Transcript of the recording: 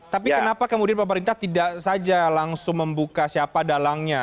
tapi kenapa kemudian pemerintah tidak saja langsung membuka siapa dalangnya